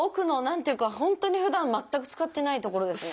本当にふだん全く使ってない所ですね。